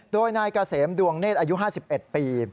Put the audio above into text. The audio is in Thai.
โดยนายเกษมดวงเนธอายุ๕๑ปี